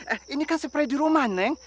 eh ini kan seperti di rumah neng